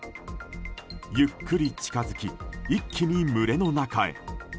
ゆっくり近づき一気に群れの中へ。